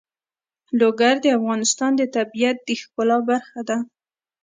لوگر د افغانستان د طبیعت د ښکلا برخه ده.